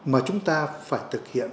mà chúng ta phải thực hiện